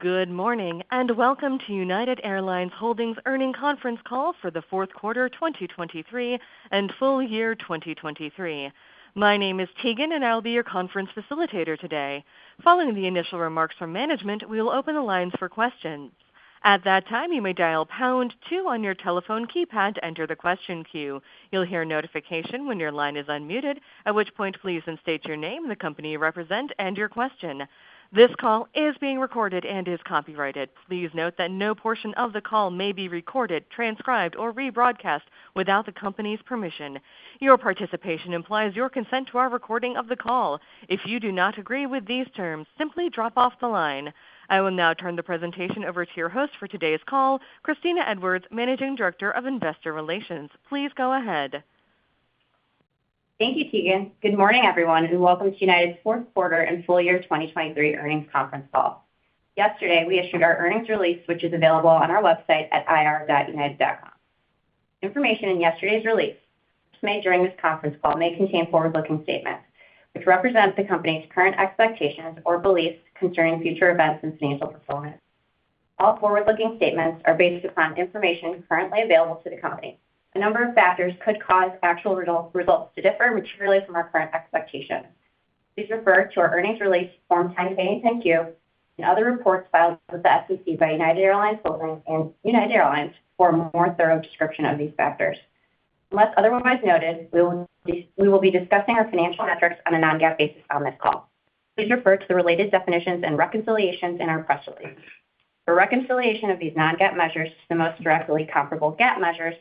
Good morning, and welcome to United Airlines Holdings Earnings Conference Call for the Fourth Quarter 2023 and Full Year 2023. My name is Tegan, and I'll be your conference facilitator today. Following the initial remarks from management, we will open the lines for questions. At that time, you may dial pound two on your telephone keypad to enter the question queue. You'll hear a notification when your line is unmuted, at which point, please state your name, the company you represent, and your question. This call is being recorded and is copyrighted. Please note that no portion of the call may be recorded, transcribed, or rebroadcast without the company's permission. Your participation implies your consent to our recording of the call. If you do not agree with these terms, simply drop off the line. I will now turn the presentation over to your host for today's call, Kristina Edwards, Managing Director of Investor Relations. Please go ahead. Thank you, Tegan. Good morning, everyone, and welcome to United's Fourth Quarter and Full Year 2023 Earnings Conference Call. Yesterday, we issued our earnings release, which is available on our website at ir.united.com. Information in yesterday's release made during this conference call may contain forward-looking statements, which represent the company's current expectations or beliefs concerning future events and financial performance. All forward-looking statements are based upon information currently available to the company. A number of factors could cause actual results to differ materially from our current expectations. Please refer to our earnings release, Form 10-K, and other reports filed with the SEC by United Airlines Holdings and United Airlines for a more thorough description of these factors. Unless otherwise noted, we will be discussing our financial metrics on a non-GAAP basis on this call. Please refer to the related definitions and reconciliations in our press release. For reconciliation of these non-GAAP measures to the most directly comparable GAAP measures,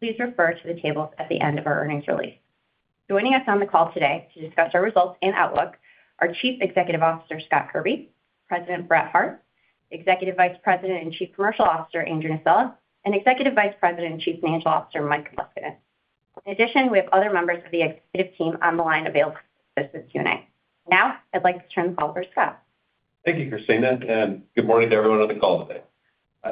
please refer to the tables at the end of our earnings release. Joining us on the call today to discuss our results and outlook are Chief Executive Officer, Scott Kirby, President, Brett Hart, Executive Vice President and Chief Commercial Officer, Andrew Nocella, and Executive Vice President and Chief Financial Officer, Mike Leskinen. In addition, we have other members of the executive team on the line available to assist with Q&A. Now, I'd like to turn the call over to Scott. Thank you, Kristina, and good morning to everyone on the call today.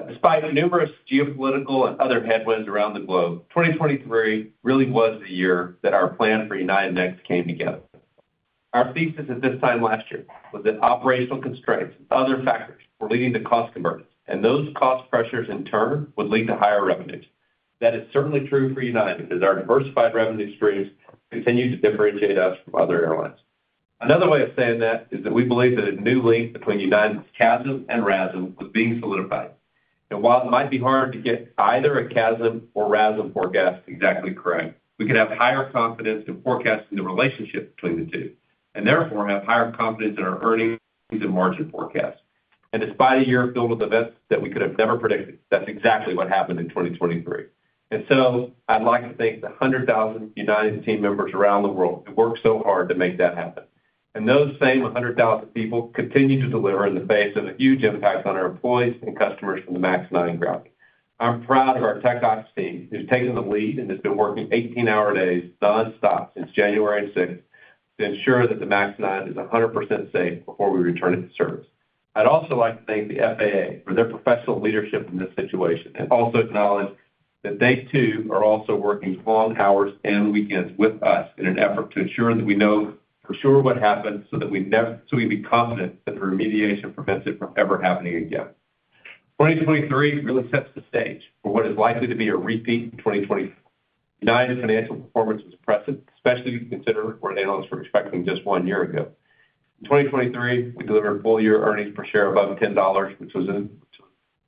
Despite the numerous geopolitical and other headwinds around the globe, 2023 really was the year that our plan for United Next came together. Our thesis at this time last year was that operational constraints and other factors were leading to cost convergence, and those cost pressures, in turn, would lead to higher revenues. That is certainly true for United, as our diversified revenue streams continue to differentiate us from other airlines. Another way of saying that is that we believe that a new link between United's CASM and RASM was being solidified. While it might be hard to get either a CASM or RASM forecast exactly correct, we could have higher confidence in forecasting the relationship between the two, and therefore have higher confidence in our earnings and margin forecasts. And despite a year filled with events that we could have never predicted, that's exactly what happened in 2023. And so I'd like to thank the 100,000 United team members around the world who worked so hard to make that happen. And those same 100,000 people continue to deliver in the face of the huge impact on our employees and customers from the MAX 9 grounding. I'm proud of our Tech Ops team, who's taken the lead and has been working 18-hour days nonstop since January 6, to ensure that the MAX 9 is 100% safe before we return it to service. I'd also like to thank the FAA for their professional leadership in this situation, and also acknowledge that they, too, are also working long hours and weekends with us in an effort to ensure that we know for sure what happened so we can be confident that the remediation prevents it from ever happening again. 2023 really sets the stage for what is likely to be a repeat in 2024. United's financial performance was impressive, especially considering what analysts were expecting just one year ago. In 2023, we delivered full-year earnings per share above $10, which was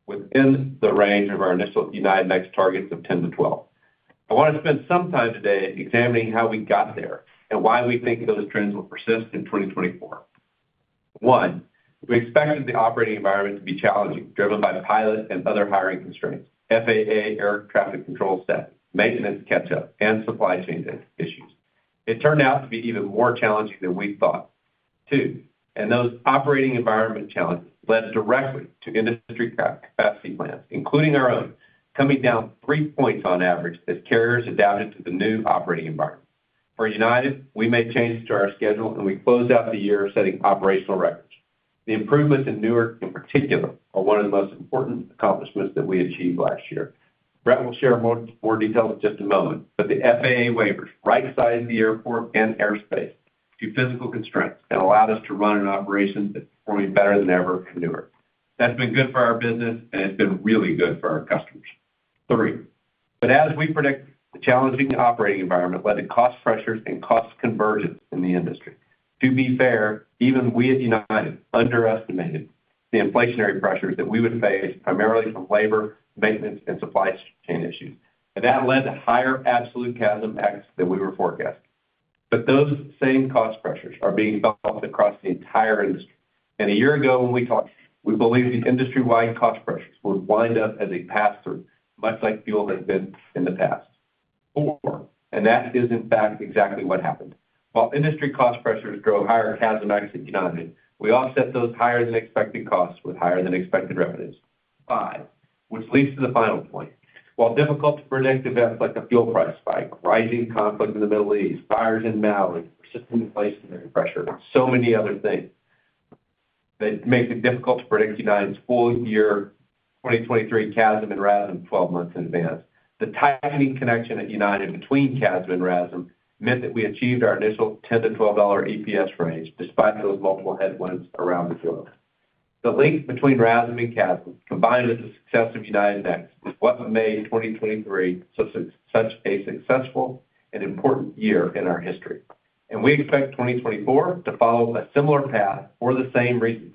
within the range of our initial United Next targets of $10-$12. I want to spend some time today examining how we got there and why we think those trends will persist in 2024. One, we expected the operating environment to be challenging, driven by pilot and other hiring constraints, FAA air traffic control staff, maintenance catch-up, and supply chain issues. It turned out to be even more challenging than we thought. Two, those operating environment challenges led directly to industry capacity plans, including our own, coming down 3 points on average as carriers adapted to the new operating environment. For United, we made changes to our schedule, and we closed out the year setting operational records. The improvements in Newark, in particular, are one of the most important accomplishments that we achieved last year. Brett will share more, more details in just a moment, but the FAA waivers, right-sizing the airport and airspace to physical constraints, and allowed us to run an operation that's performing better than ever in Newark. That's been good for our business, and it's been really good for our customers. Three, but as we predicted, the challenging operating environment led to cost pressures and cost convergence in the industry. To be fair, even we at United underestimated the inflationary pressures that we would face, primarily from labor, maintenance, and supply chain issues, and that led to higher absolute CASM effects than we were forecasting. But those same cost pressures are being felt across the entire industry. And a year ago, when we talked, we believed the industry-wide cost pressures would wind up as a pass-through, much like fuel has been in the past. Four, and that is, in fact, exactly what happened. While industry cost pressures drove higher CASM at United, we offset those higher-than-expected costs with higher-than-expected revenues. Five, which leads to the final point. While difficult-to-predict events like a fuel price spike, rising conflict in the Middle East, fires in Maui, persistent inflationary pressure, so many other things that make it difficult to predict United's full-year 2023 CASM and RASM 12 months in advance. The tightening connection at United between CASM and RASM meant that we achieved our initial $10-$12 EPS range, despite those multiple headwinds around the globe. The link between RASM and CASM, combined with the success of United Next, is what made 2023 such, such a successful and important year in our history, and we expect 2024 to follow a similar path for the same reasons.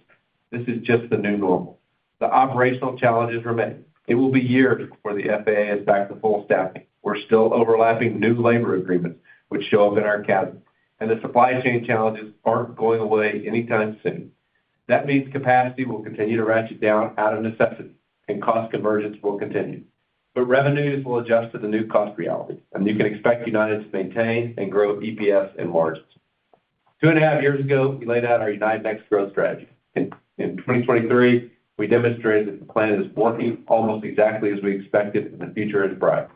This is just the new normal. The operational challenges remain. It will be years before the FAA is back to full staffing. We're still overlapping new labor agreements, which show up in our CASM, and the supply chain challenges aren't going away anytime soon. That means capacity will continue to ratchet down out of necessity, and cost convergence will continue. But revenues will adjust to the new cost reality, and you can expect United to maintain and grow EPS and margins. Two and a half years ago, we laid out our United Next growth strategy. In 2023, we demonstrated that the plan is working almost exactly as we expected, and the future is bright.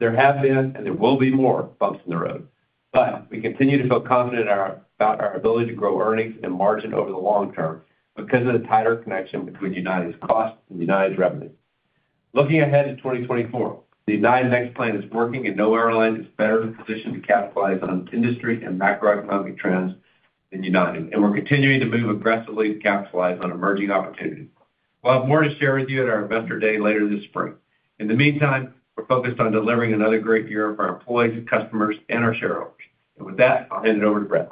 There have been, and there will be more, bumps in the road, but we continue to feel confident about our ability to grow earnings and margin over the long term because of the tighter connection between United's cost and United's revenue. Looking ahead to 2024, the United Next plan is working, and no airline is better positioned to capitalize on industry and macroeconomic trends than United, and we're continuing to move aggressively to capitalize on emerging opportunities. We'll have more to share with you at our Investor Day later this spring. In the meantime, we're focused on delivering another great year for our employees, customers, and our shareholders. With that, I'll hand it over to Brett.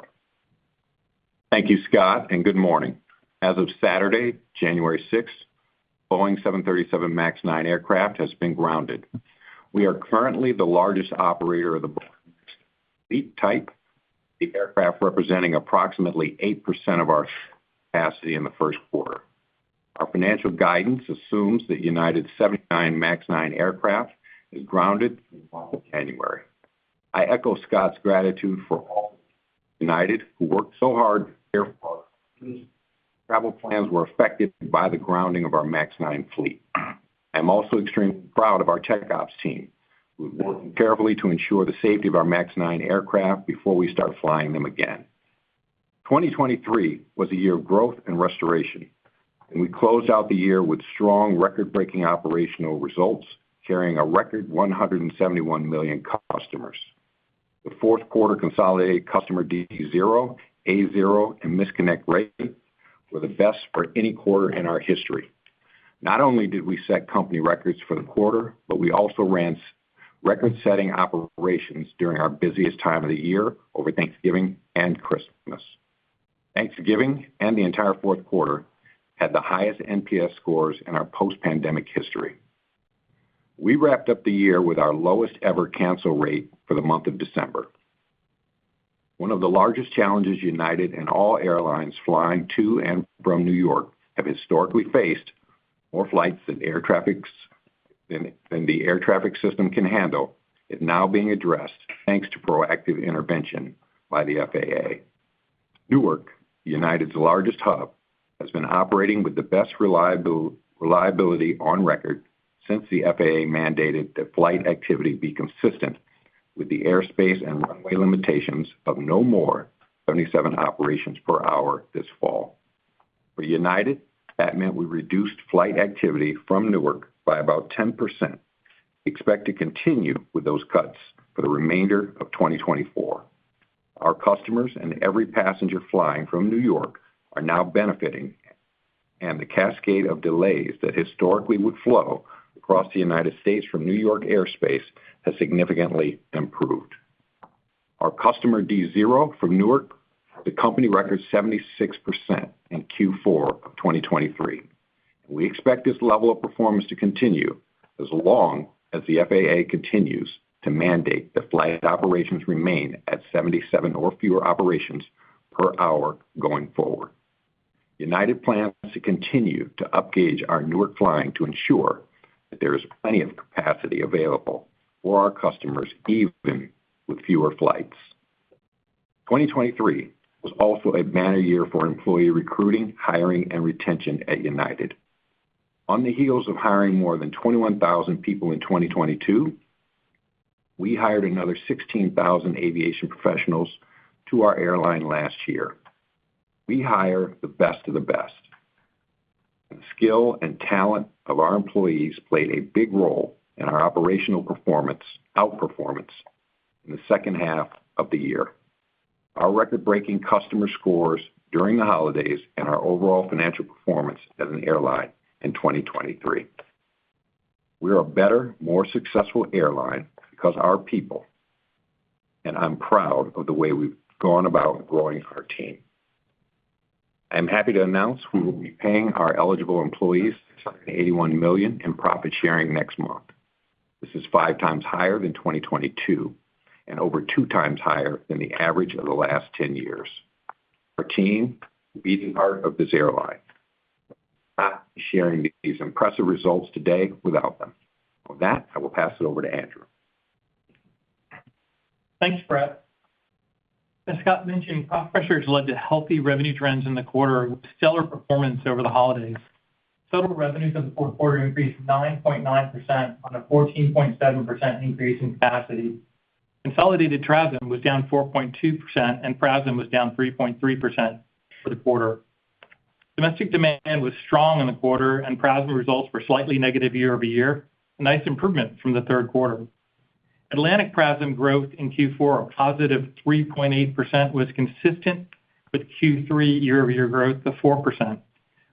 Thank you, Scott, and good morning. As of Saturday, January 6, Boeing 737 MAX 9 aircraft has been grounded. We are currently the largest operator of the fleet type, the aircraft representing approximately 8% of our capacity in the first quarter. Our financial guidance assumes that United's 79 MAX 9 aircraft is grounded through the month of January. I echo Scott's gratitude for all United, who worked so hard therefore, travel plans were affected by the grounding of our MAX 9 fleet. I'm also extremely proud of our tech ops team, who are working carefully to ensure the safety of our MAX 9 aircraft before we start flying them again. 2023 was a year of growth and restoration, and we closed out the year with strong record-breaking operational results, carrying a record 171 million customers. The fourth quarter consolidated customer D0, A0, and misconnect rates were the best for any quarter in our history. Not only did we set company records for the quarter, but we also ran record-setting operations during our busiest time of the year over Thanksgiving and Christmas. Thanksgiving and the entire fourth quarter had the highest NPS scores in our post-pandemic history. We wrapped up the year with our lowest-ever cancel rate for the month of December. One of the largest challenges United and all airlines flying to and from New York have historically faced, more flights than the air traffic system can handle, is now being addressed, thanks to proactive intervention by the FAA. Newark, United's largest hub, has been operating with the best reliability on record since the FAA mandated that flight activity be consistent with the airspace and runway limitations of no more than 77 operations per hour this fall. For United, that meant we reduced flight activity from Newark by about 10%. Expect to continue with those cuts for the remainder of 2024. Our customers and every passenger flying from New York are now benefiting, and the cascade of delays that historically would flow across the United States from New York airspace has significantly improved. Our customer D0 from Newark, the company record 76% in Q4 of 2023. We expect this level of performance to continue as long as the FAA continues to mandate that flight operations remain at 77 or fewer operations per hour going forward. United plans to continue to upgauge our Newark flying to ensure that there is plenty of capacity available for our customers, even with fewer flights. 2023 was also a banner year for employee recruiting, hiring, and retention at United. On the heels of hiring more than 21,000 people in 2022, we hired another 16,000 aviation professionals to our airline last year. We hire the best of the best. The skill and talent of our employees played a big role in our operational performance, outperformance in the second half of the year, our record-breaking customer scores during the holidays, and our overall financial performance as an airline in 2023. We are a better, more successful airline because of our people, and I'm proud of the way we've gone about growing our team. I'm happy to announce we will be paying our eligible employees $81 million in profit sharing next month. This is 5x higher than 2022 and over 2x higher than the average of the last 10 years. Our team, the beating heart of this airline, I'm sharing these impressive results today without them. With that, I will pass it over to Andrew. Thanks, Brett. As Scott mentioned, cost pressures led to healthy revenue trends in the quarter, with stellar performance over the holidays. Total revenues in the fourth quarter increased 9.9% on a 14.7% increase in capacity. Consolidated TRASM was down 4.2%, and PRASM was down 3.3% for the quarter. Domestic demand was strong in the quarter, and PRASM results were slightly negative year-over-year, a nice improvement from the third quarter. Atlantic PRASM growth in Q4 of +3.8% was consistent with Q3 year-over-year growth of 4%.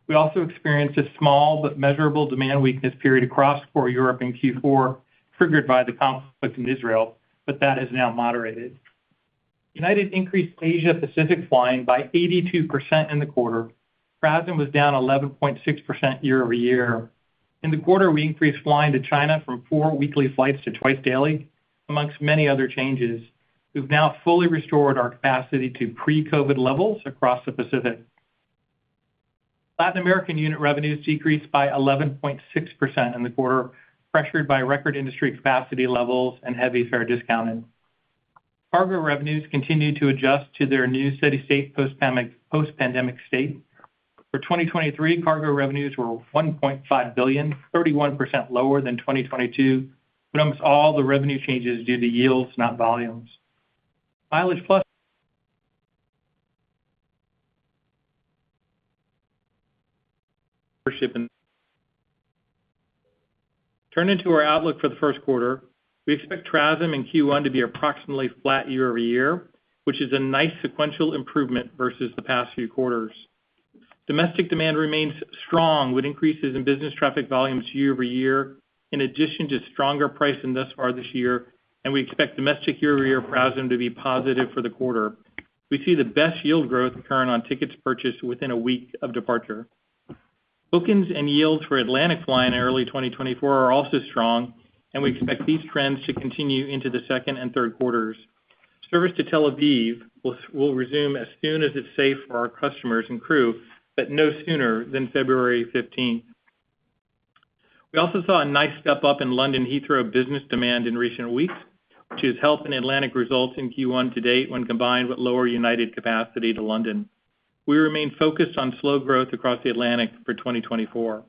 We also experienced a small but measurable demand weakness period across core Europe in Q4, triggered by the conflict in Israel, but that has now moderated. United increased Asia-Pacific flying by 82% in the quarter. PRASM was down 11.6% year-over-year. In the quarter, we increased flying to China from four weekly flights to twice daily, among many other changes. We've now fully restored our capacity to pre-COVID levels across the Pacific. Latin American unit revenues decreased by 11.6% in the quarter, pressured by record industry capacity levels and heavy fare discounting. Cargo revenues continued to adjust to their new steady state post-pandemic, post-pandemic state. For 2023, cargo revenues were $1.5 billion, 31% lower than 2022, with almost all the revenue changes due to yields, not volumes. MileagePlus - Turning to our outlook for the first quarter, we expect TRASM in Q1 to be approximately flat year-over-year, which is a nice sequential improvement versus the past few quarters. Domestic demand remains strong, with increases in business traffic volumes year-over-year, in addition to stronger pricing thus far this year, and we expect domestic year-over-year PRASM to be positive for the quarter. We see the best yield growth occurring on tickets purchased within a week of departure. Bookings and yields for Atlantic flying in early 2024 are also strong, and we expect these trends to continue into the second and third quarters. Service to Tel Aviv will resume as soon as it's safe for our customers and crew, but no sooner than February 15th. We also saw a nice step-up in London Heathrow business demand in recent weeks, which has helped in Atlantic results in Q1 to date when combined with lower United capacity to London. We remain focused on slow growth across the Atlantic for 2024.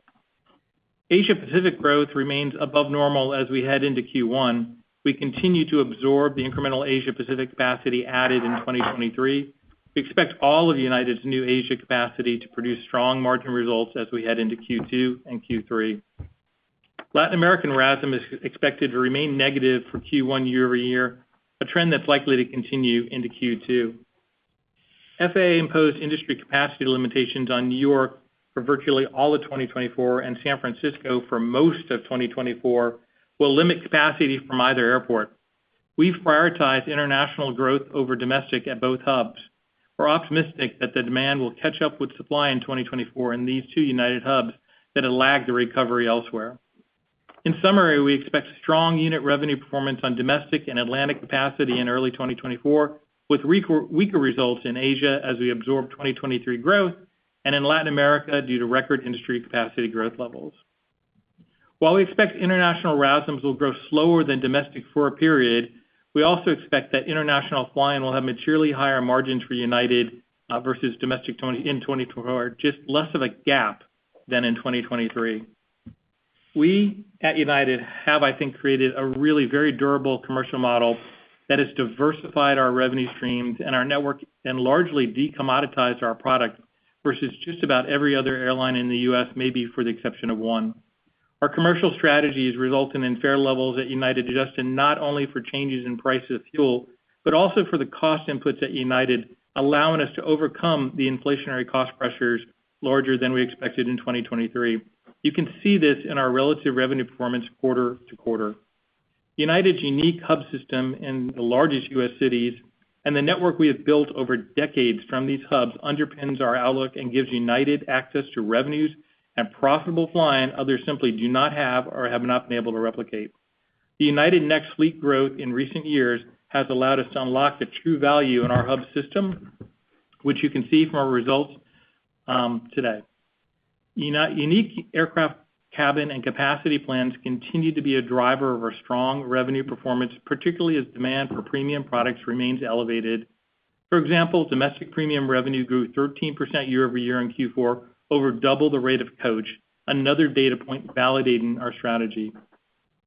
Asia-Pacific growth remains above normal as we head into Q1. We continue to absorb the incremental Asia-Pacific capacity added in 2023. We expect all of United's new Asia capacity to produce strong margin results as we head into Q2 and Q3. Latin American RASM is expected to remain negative for Q1 year-over-year, a trend that's likely to continue into Q2. FAA-imposed industry capacity limitations on New York for virtually all of 2024 and San Francisco for most of 2024 will limit capacity from either airport. We've prioritized international growth over domestic at both hubs. We're optimistic that the demand will catch up with supply in 2024 in these two United hubs that have lagged the recovery elsewhere. In summary, we expect strong unit revenue performance on domestic and Atlantic capacity in early 2024, with weaker results in Asia as we absorb 2023 growth, and in Latin America, due to record industry capacity growth levels. While we expect international RASMs will grow slower than domestic for a period, we also expect that international flying will have materially higher margins for United versus domestic in 2024, just less of a gap than in 2023. We at United have, I think, created a really very durable commercial model that has diversified our revenue streams and our network, and largely de-commoditized our product versus just about every other airline in the U.S., maybe for the exception of one. Our commercial strategies resulting in fare levels at United, adjusting not only for changes in price of fuel, but also for the cost inputs at United, allowing us to overcome the inflationary cost pressures larger than we expected in 2023. You can see this in our relative revenue performance quarter to quarter. United's unique hub system in the largest U.S. cities and the network we have built over decades from these hubs underpins our outlook and gives United access to revenues and profitable flying others simply do not have or have not been able to replicate. The United Next fleet growth in recent years has allowed us to unlock the true value in our hub system, which you can see from our results today. Unique aircraft, cabin, and capacity plans continue to be a driver of our strong revenue performance, particularly as demand for premium products remains elevated. For example, domestic premium revenue grew 13% year-over-year in Q4, over double the rate of coach, another data point validating our strategy.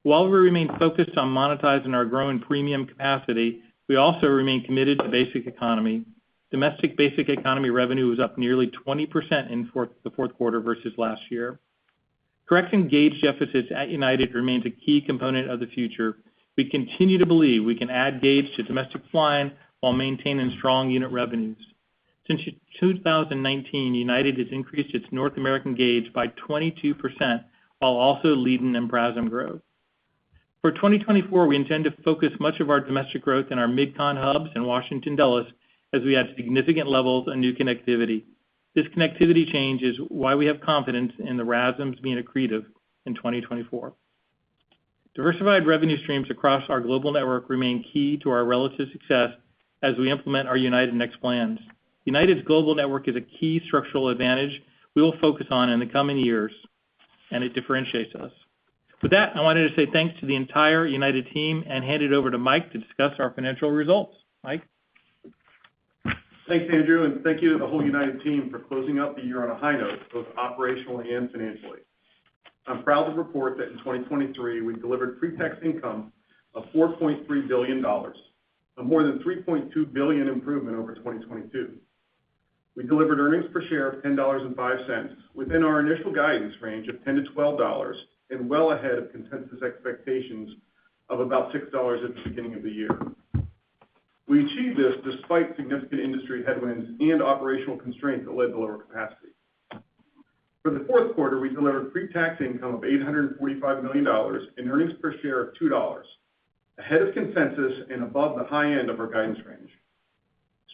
While we remain focused on monetizing our growing premium capacity, we also remain committed to Basic Economy. Domestic Basic Economy revenue was up nearly 20% in the fourth quarter versus last year. Correcting gauge deficits at United remains a key component of the future. We continue to believe we can add gauge to domestic flying while maintaining strong unit revenues. Since 2019, United has increased its North American gauge by 22%, while also leading in PRASM growth. For 2024, we intend to focus much of our domestic growth in our mid-con hubs in Washington Dulles, as we add significant levels of new connectivity. This connectivity change is why we have confidence in the RASMs being accretive in 2024. Diversified revenue streams across our global network remain key to our relative success as we implement our United Next plans. United's global network is a key structural advantage we will focus on in the coming years, and it differentiates us. With that, I wanted to say thanks to the entire United team and hand it over to Mike to discuss our financial results. Mike Thanks, Andrew, and thank you to the whole United team for closing out the year on a high note, both operationally and financially. I'm proud to report that in 2023, we delivered pre-tax income of $4.3 billion, a more than $3.2 billion improvement over 2022. We delivered earnings per share of $10.05, within our initial guidance range of $10-$12, and well ahead of consensus expectations of about $6 at the beginning of the year. We achieved this despite significant industry headwinds and operational constraints that led to lower capacity. For the fourth quarter, we delivered pre-tax income of $845 million and earnings per share of $2, ahead of consensus and above the high end of our guidance range.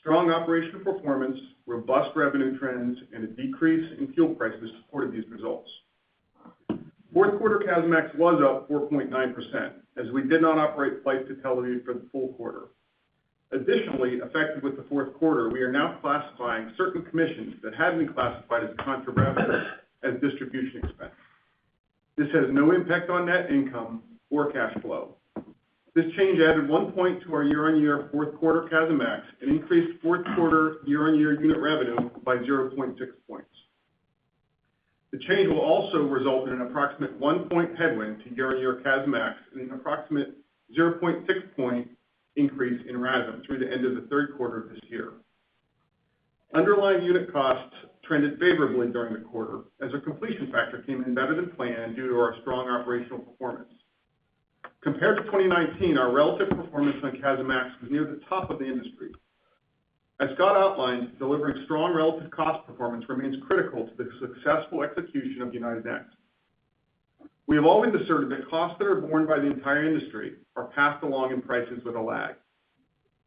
Strong operational performance, robust revenue trends, and a decrease in fuel prices supported these results. Fourth quarter CASM-ex was up 4.9%, as we did not operate flight to Tel Aviv for the full quarter. Additionally, effective with the fourth quarter, we are now classifying certain commissions that had been classified as contra-revenue as distribution expense. This has no impact on net income or cash flow. This change added 1 point to our year-on-year fourth quarter CASM-ex and increased fourth quarter year-on-year unit revenue by 0.6 points. The change will also result in an approximate 1-point headwind to year-on-year CASM-ex and an approximate 0.6-point increase in RASM through the end of the third quarter of this year. Underlying unit costs trended favorably during the quarter as our completion factor came in better than planned due to our strong operational performance. Compared to 2019, our relative performance on CASM-ex was near the top of the industry. As Scott outlined, delivering strong relative cost performance remains critical to the successful execution of United Next. We have always asserted that costs that are borne by the entire industry are passed along, and prices with a lag.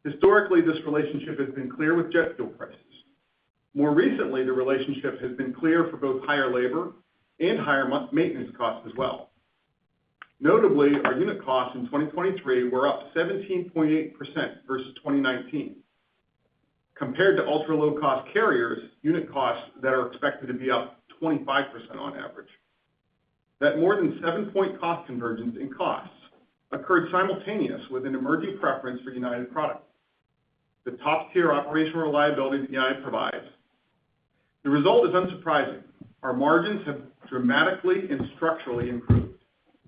Historically, this relationship has been clear with jet fuel prices. More recently, the relationship has been clear for both higher labor and higher maintenance costs as well. Notably, our unit costs in 2023 were up 17.8% versus 2019. Compared to ultra-low-cost carriers, unit costs that are expected to be up 25% on average. That more than seven point cost convergence in costs occurred simultaneous with an emerging preference for United products. The top-tier operational reliability that United provides. The result is unsurprising. Our margins have dramatically and structurally improved,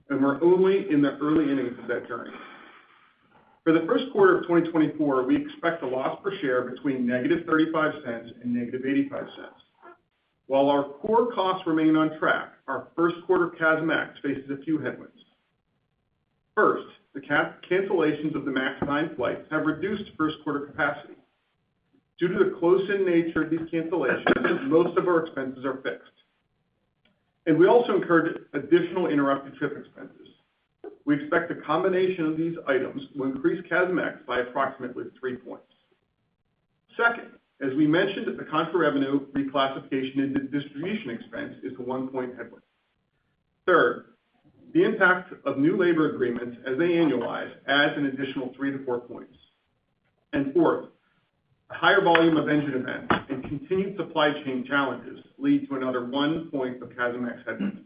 and we're only in the early innings of that journey. For the first quarter of 2024, we expect a loss per share between -$0.35 and -$0.85. While our core costs remain on track, our first quarter CASM-ex faces a few headwinds. First, the cancellations of the MAX 9 flights have reduced first quarter capacity. Due to the close-in nature of these cancellations, most of our expenses are fixed, and we also incurred additional interrupted trip expenses. We expect a combination of these items will increase CASM-ex by approximately three points. Second, as we mentioned, that the contra-revenue reclassification into distribution expense is the one point headwind. Third, the impact of new labor agreements as they annualize adds an additional 3-4 points. And fourth, a higher volume of engine events and continued supply chain challenges lead to another one point of CASM Max headwind.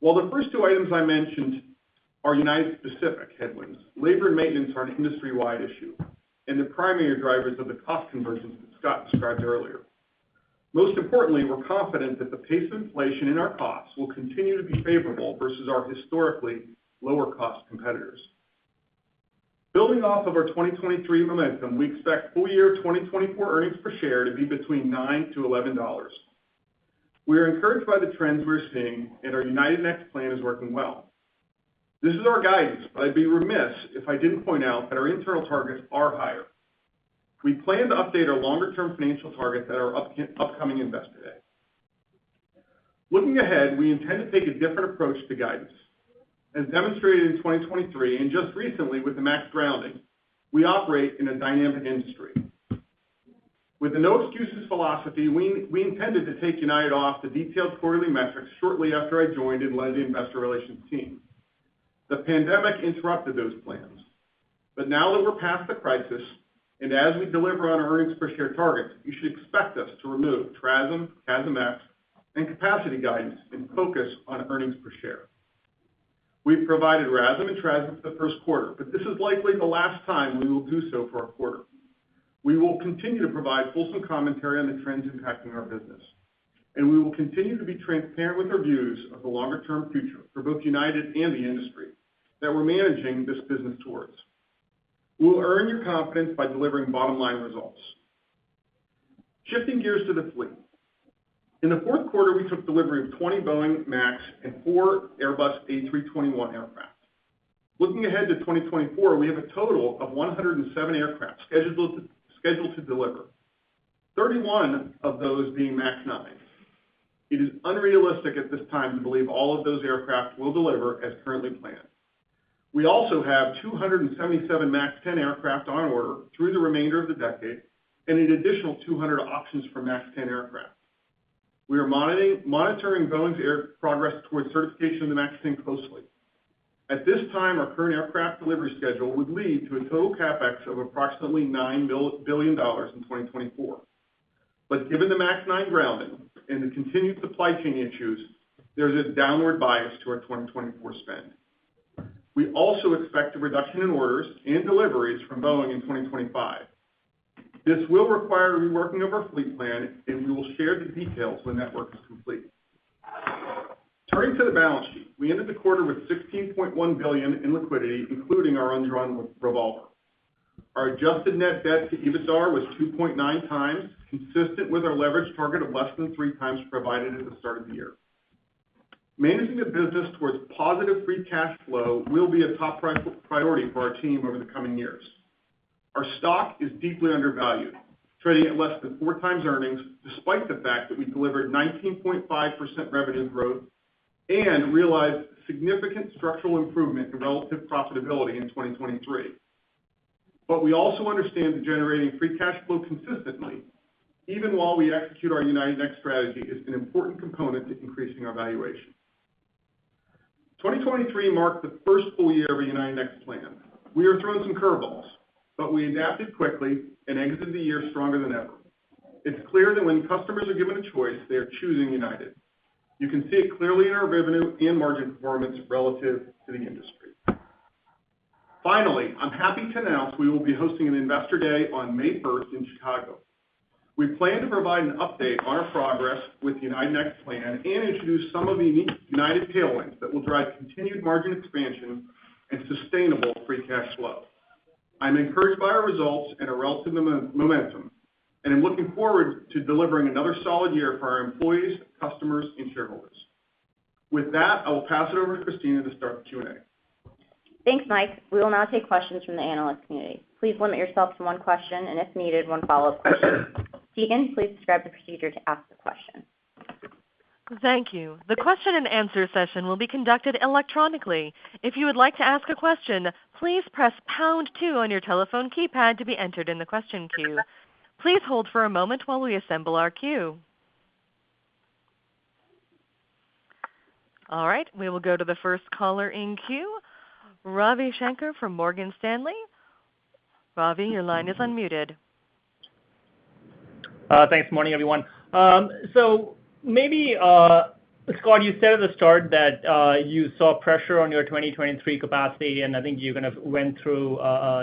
While the first two items I mentioned are United-specific headwinds, labor and maintenance are an industry-wide issue and the primary drivers of the cost convergence that Scott described earlier. Most importantly, we're confident that the pace of inflation in our costs will continue to be favorable versus our historically lower-cost competitors. Building off of our 2023 momentum, we expect full-year 2024 earnings per share to be between $9-$11. We are encouraged by the trends we're seeing, and our United Next plan is working well. This is our guidance, but I'd be remiss if I didn't point out that our internal targets are higher. We plan to update our longer-term financial targets at our upcoming Investor Day. Looking ahead, we intend to take a different approach to guidance. As demonstrated in 2023, and just recently with the MAX grounding, we operate in a dynamic industry. With a no-excuses philosophy, we intended to take United off the detailed quarterly metrics shortly after I joined and led the investor relations team. The pandemic interrupted those plans, but now that we're past the crisis, and as we deliver on our earnings per share targets, you should expect us to remove TRASM, CASM-ex, and capacity guidance and focus on earnings per share. We've provided RASM and TRASM for the first quarter, but this is likely the last time we will do so for a quarter. We will continue to provide fulsome commentary on the trends impacting our business, and we will continue to be transparent with our views of the longer-term future for both United and the industry that we're managing this business towards. We will earn your confidence by delivering bottom-line results. Shifting gears to the fleet. In the fourth quarter, we took delivery of 20 Boeing MAX and four Airbus A321 aircraft. Looking ahead to 2024, we have a total of 107 aircraft scheduled to deliver, 31 of those being MAX 9. It is unrealistic at this time to believe all of those aircraft will deliver as currently planned. We also have 277 MAX 10 aircraft on order through the remainder of the decade and an additional 200 options for MAX 10 aircraft. We are monitoring Boeing's air progress towards certification of the MAX 10 closely. At this time, our current aircraft delivery schedule would lead to a total CapEx of approximately $9 billion in 2024. But given the MAX 9 grounding and the continued supply chain issues, there is a downward bias to our 2024 spend. We also expect a reduction in orders and deliveries from Boeing in 2025. This will require a reworking of our fleet plan, and we will share the details when that work is complete. Turning to the balance sheet. We ended the quarter with $16.1 billion in liquidity, including our undrawn revolver. Our adjusted net debt to EBITDA was 2.9x, consistent with our leverage target of less than 3x provided at the start of the year. Managing the business towards positive free cash flow will be a top priority for our team over the coming years. Our stock is deeply undervalued, trading at less than 4x earnings, despite the fact that we delivered 19.5% revenue growth and realized significant structural improvement in relative profitability in 2023. But we also understand that generating free cash flow consistently, even while we execute our United Next strategy, is an important component to increasing our valuation. 2023 marked the first full year of United Next plan. We were thrown some curveballs, but we adapted quickly and exited the year stronger than ever. It's clear that when customers are given a choice, they are choosing United. You can see it clearly in our revenue and margin performance relative to the industry. Finally, I'm happy to announce we will be hosting an Investor Day on May 1st in Chicago. We plan to provide an update on our progress with the United Next plan and introduce some of the unique United tailwinds that will drive continued margin expansion and sustainable free cash flow. I'm encouraged by our results and our relative momentum, and I'm looking forward to delivering another solid year for our employees, customers, and shareholders. With that, I will pass it over to Kristina to start the Q&A. Thanks, Mike. We will now take questions from the analyst community. Please limit yourself to one question, and if needed, one follow-up question. Steven, please describe the procedure to ask the question. Thank you. The question-and-answer session will be conducted electronically. If you would like to ask a question, please press pound two on your telephone keypad to be entered in the question queue. Please hold for a moment while we assemble our queue. All right, we will go to the first caller in queue, Ravi Shanker from Morgan Stanley. Ravi, your line is unmuted. Thanks. Morning, everyone. So maybe, Scott, you said at the start that you saw pressure on your 2023 capacity, and I think you kind of went through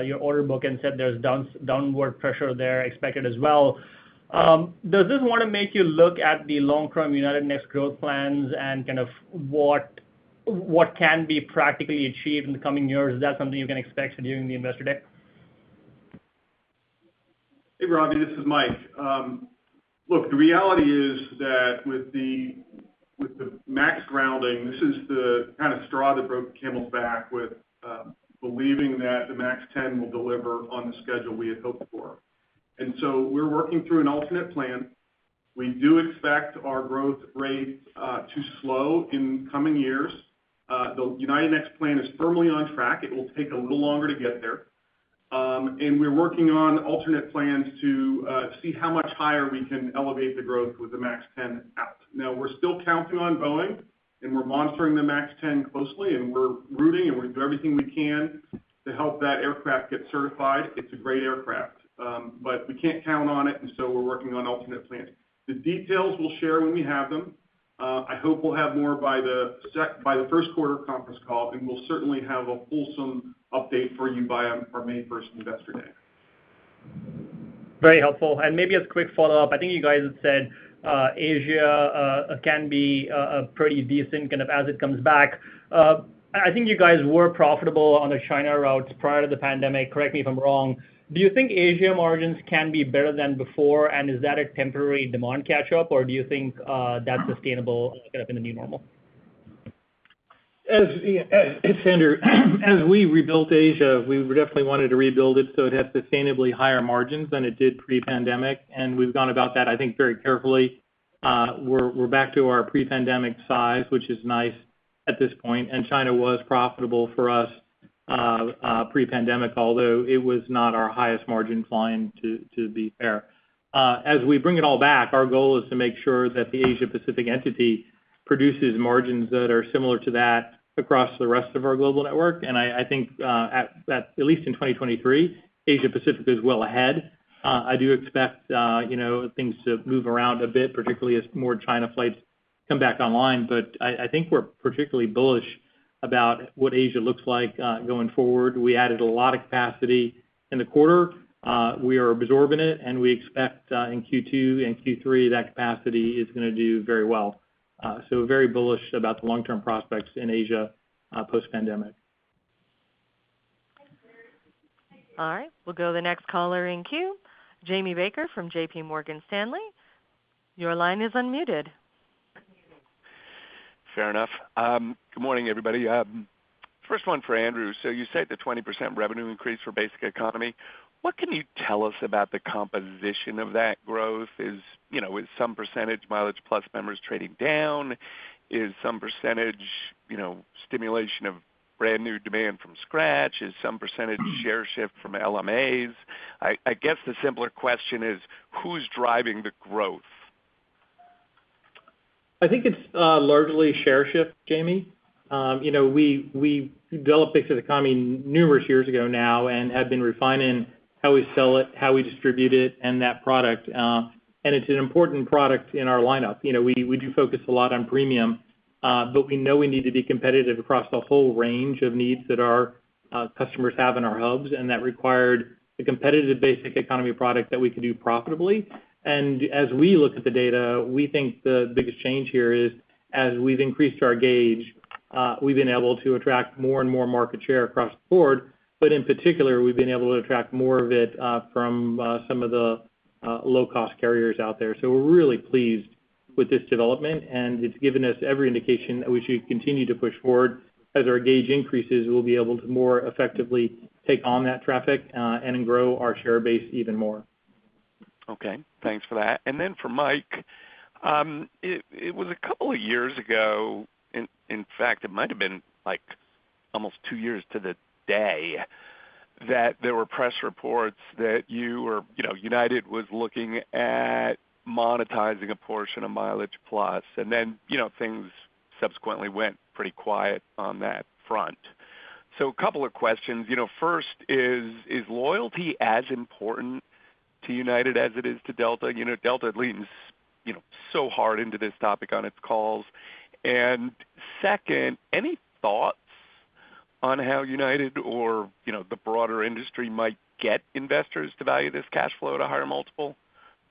your order book and said there's downward pressure there expected as well. Does this want to make you look at the long-term United Next growth plans and kind of what can be practically achieved in the coming years? Is that something you can expect to do in the Investor Day? Hey, Ravi, this is Mike. Look, the reality is that with the MAX grounding, this is the kind of straw that broke the camel's back with believing that the MAX 10 will deliver on the schedule we had hoped for. So we're working through an alternate plan. We do expect our growth rate to slow in coming years. The United Next plan is firmly on track. It will take a little longer to get there. And we're working on alternate plans to see how much higher we can elevate the growth with the MAX 10 out. Now, we're still counting on Boeing, and we're monitoring the MAX 10 closely, and we're rooting, and we'll do everything we can to help that aircraft get certified. It's a great aircraft, but we can't count on it, and so we're working on alternate plans. The details we'll share when we have them. I hope we'll have more by the first quarter conference call, and we'll certainly have a fulsome update for you by our May 1st Investor Day. Very helpful. And maybe a quick follow-up. I think you guys have said, Asia, can be, a pretty decent kind of as it comes back. I think you guys were profitable on the China routes prior to the pandemic. Correct me if I'm wrong. Do you think Asia margins can be better than before, and is that a temporary demand catch-up, or do you think, that's sustainable kind of in the new normal? Yeah, its Andrew, as we rebuilt Asia, we definitely wanted to rebuild it so it had sustainably higher margins than it did pre-pandemic, and we've gone about that, I think, very carefully. We're back to our pre-pandemic size, which is nice at this point, and China was profitable for us pre-pandemic, although it was not our highest margin client, to be fair. As we bring it all back, our goal is to make sure that the Asia Pacific entity produces margins that are similar to that across the rest of our global network, and I think that at least in 2023, Asia Pacific is well ahead. I do expect, you know, things to move around a bit, particularly as more China flights come back online. But I think we're particularly bullish about what Asia looks like, going forward. We added a lot of capacity in the quarter. We are absorbing it, and we expect, in Q2 and Q3, that capacity is gonna do very well. So very bullish about the long-term prospects in Asia, post-pandemic. All right, we'll go to the next caller in queue. Jamie Baker from JPMorgan. Your line is unmuted. Fair enough. Good morning, everybody. First one for Andrew. So you said the 20% revenue increase for basic economy. What can you tell us about the composition of that growth? Is, you know, with some percentage MileagePlus members trading down? Is some percentage, you know, stimulation of brand-new demand from scratch? Is some percentage share shift from LMAs? I guess the simpler question is, who's driving the growth? I think it's largely share shift, Jamie. You know, we, we developed Basic Economy numerous years ago now and have been refining how we sell it, how we distribute it, and that product, and it's an important product in our lineup. You know, we, we do focus a lot on premium, but we know we need to be competitive across the whole range of needs that our customers have in our hubs, and that required a competitive Basic Economy product that we could do profitably. And as we look at the data, we think the biggest change here is, as we've increased our gauge, we've been able to attract more and more market share across the board. But in particular, we've been able to attract more of it from some of the low-cost carriers out there. So we're really pleased with this development, and it's given us every indication that we should continue to push forward. As our gauge increases, we'll be able to more effectively take on that traffic, and then grow our share base even more. Okay. Thanks for that. And then for Mike, it was a couple of years ago, in fact, it might have been like almost two years to the day, that there were press reports that you were, you know, United was looking at monetizing a portion of MileagePlus, and then, you know, things subsequently went pretty quiet on that front. So a couple of questions. You know, first, is loyalty as important to United as it is to Delta? You know, Delta leans, you know, so hard into this topic on its calls. And second, any thoughts on how United or, you know, the broader industry might get investors to value this cash flow at a higher multiple?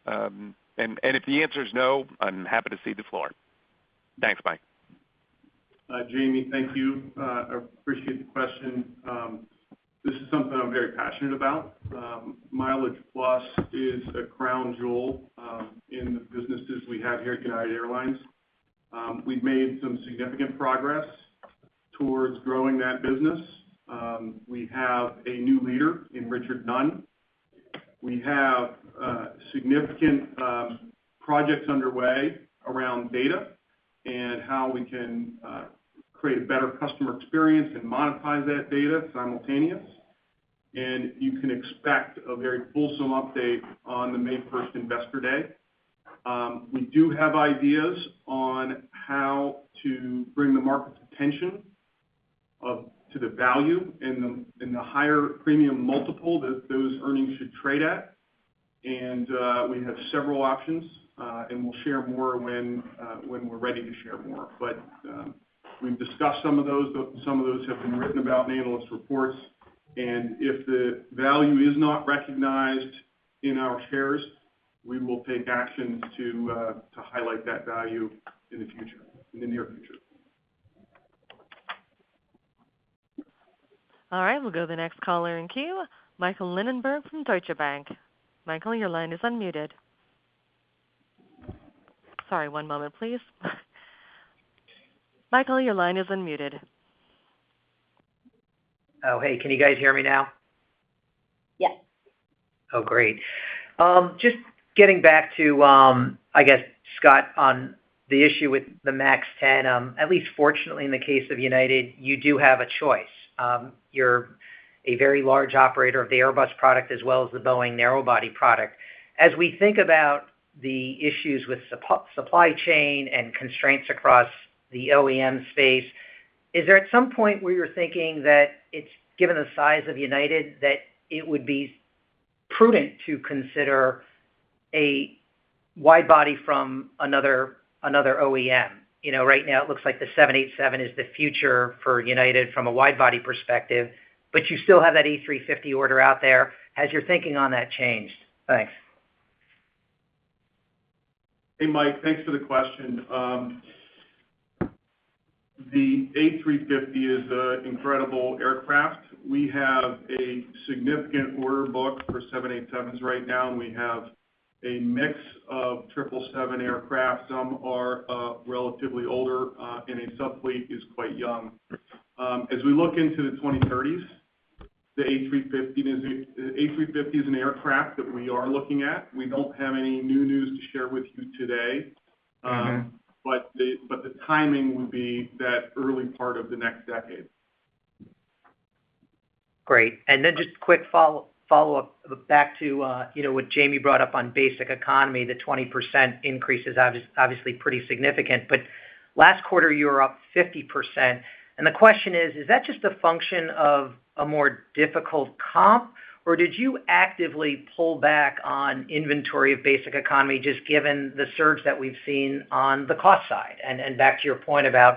And if the answer is no, I'm happy to cede the floor. Thanks, bye. Jamie, thank you. I appreciate the question. This is something I'm very passionate about. MileagePlus is a crown jewel in the businesses we have here at United Airlines. We've made some significant progress towards growing that business. We have a new leader in Richard Nunn. We have significant projects underway around data and how we can create a better customer experience and monetize that data simultaneously. You can expect a very fulsome update on the May 1st investor day. We do have ideas on how to bring the market's attention to the value and the higher premium multiple that those earnings should trade at. We have several options, and we'll share more when we're ready to share more. But, we've discussed some of those, but some of those have been written about in the analyst reports. And if the value is not recognized in our shares, we will take action to, to highlight that value in the future, in the near future. All right, we'll go to the next caller in queue, Michael Linenberg from Deutsche Bank. Michael, your line is unmuted. Sorry, one moment, please. Michael, your line is unmuted. Oh, hey, can you guys hear me now? Yes. Oh, great. Just getting back to, I guess, Scott, on the issue with the MAX 10, at least fortunately, in the case of United, you do have a choice. You're a very large operator of the Airbus product as well as the Boeing narrow body product. As we think about the issues with supply chain and constraints across the OEM space, is there at some point where you're thinking that it's, given the size of United, that it would be prudent to consider a wide body from another OEM? You know, right now, it looks like the 787 is the future for United from a wide body perspective, but you still have that A350 order out there. Has your thinking on that changed? Thanks. Hey, Mike, thanks for the question. The A350 is an incredible aircraft. We have a significant order book for 787s right now, and we have a mix of 777 aircraft. Some are relatively older, and a sub fleet is quite young. As we look into the 2030s, the A350 is an aircraft that we are looking at. We don't have any new news to share with you today. Mm-hmm. But the timing would be that early part of the next decade. Great. And then just quick follow-up back to, you know, what Jamie brought up on Basic Economy. The 20% increase is obviously, obviously pretty significant, but last quarter, you were up 50%. And the question is, is that just a function of a more difficult comp, or did you actively pull back on inventory of Basic Economy, just given the surge that we've seen on the cost side? And back to your point about